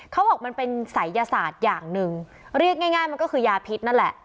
เขาบอกมันเป็นศัยยศาสตร์อย่างหนึ่งเรียกง่ายง่ายมันก็คือยาพิษนั่นแหละ